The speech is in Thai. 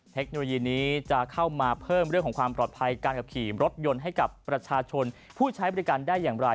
เทคโนโลยีนี้จะเข้ามาเพิ่มเรื่องของความปลอดภัยการขับขี่รถยนต์ให้กับประชาชนผู้ใช้บริการได้อย่างไร